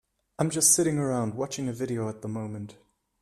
I'm just sitting around watching a video at the moment.